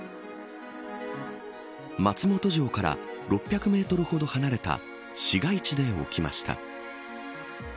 松本城から６００メートルほど離れた市街地で起きました。